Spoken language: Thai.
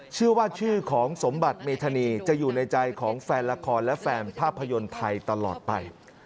ชื่อว่าชื่อของสมบัติเมธานีจะอยู่ในใจของแฟนละครและแฟนภาพยนตร์ไทยตลอดไป